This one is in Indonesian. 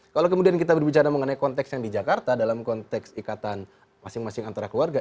kalau kemudian kita berbicara mengenai konteks yang di jakarta dalam konteks ikatan masing masing antara keluarga